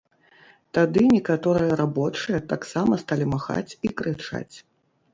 Тады некаторыя рабочыя таксама сталі махаць і крычаць.